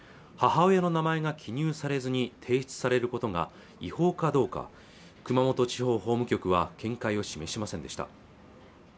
母親の名前が記入されずに提出されることが違法かどうか熊本地方法務局は見解を示しませんでした